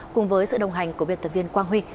cùng với sự đồng hành của biên tập viên quang huy